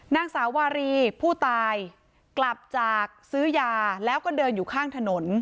นางสาววารีผู้ตายกลับจากซื้อยาแล้วก็เดินอยู่ข้างถนน